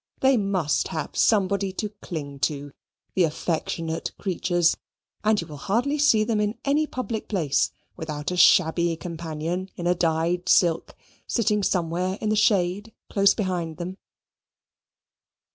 They must have somebody to cling to, the affectionate creatures! And you will hardly see them in any public place without a shabby companion in a dyed silk, sitting somewhere in the shade close behind them.